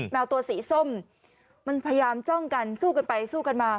แมวตัวสีส้มมันพยายามจ้องกันสู้กันไปสู้กันมา